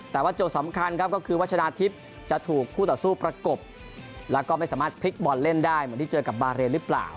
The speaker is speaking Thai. แต่ว่าโจทย์สำคัญครับก็คือวัชนาทิพย์จะถูกคู่ต่อสู้ประกบแล้วก็ไม่สามารถพลิกบอลเล่นได้เหมือนที่เจอกับบาเรนหรือเปล่า